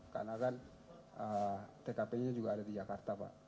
karena kan tkp ini juga ada di jakarta pak